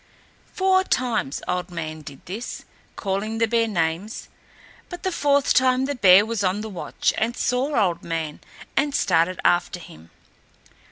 Four times Old Man did this, calling the bear names, but the fourth time the bear was on the watch and saw Old Man, and started after him.